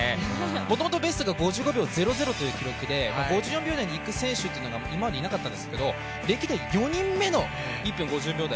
もともとベストが５５秒００という記録で５４秒台にいく選手というのは今までいなかったんですけど、歴代４人目の１分５０秒台。